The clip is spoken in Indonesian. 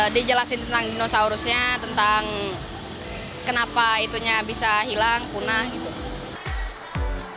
dijelasin tentang dinosaurusnya tentang kenapa itunya bisa hilang punah gitu